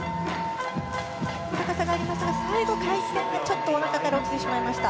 高さがありますが最後、回転がちょっとおなかから落ちてしまいました。